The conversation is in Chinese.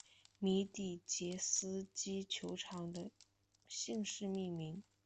米底捷斯基球场的姓氏命名。